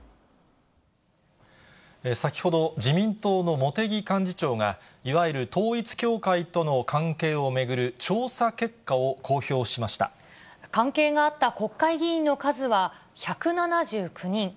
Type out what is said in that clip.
先ほど、自民党の茂木幹事長がいわゆる統一教会との関係を巡る調査結果を関係があった国会議員の数は、１７９人。